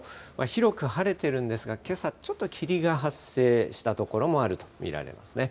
広く晴れてるんですが、けさ、ちょっと霧が発生した所もあると見られますね。